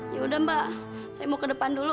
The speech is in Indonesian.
yaudah mbak saya mau ke depan dulu